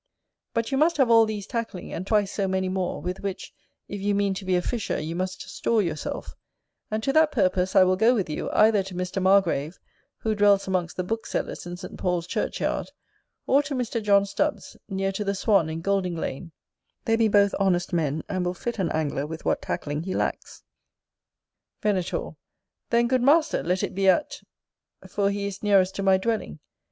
But you must have all these tackling, and twice so many more, with which, if you mean to be a fisher, you must store yourself; and to that purpose I will go with you, either to Mr. Margrave, who dwells amongst the book sellers in St. Paul's Church yard, or to Mr. John Stubs, near to the Swan in Goldinglane: they be both honest men, and will fit an angler with what tackling he lacks. Venator. Then, good master, let it be at for he is nearest to my dwelling.